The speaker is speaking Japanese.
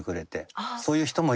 そういう人もいるんだな。